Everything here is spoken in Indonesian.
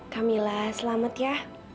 kamila selamat ya